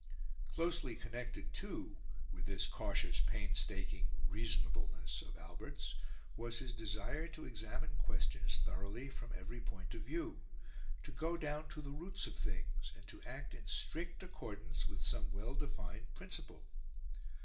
Closely connected, too, with this cautious, painstaking reasonableness of Albert's, was his desire to examine questions thoroughly from every point of view, to go down to the roots of things, and to act in strict accordance with some well defined principle.